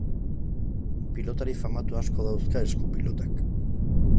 Pilotari famatu asko dauzka esku-pilotak.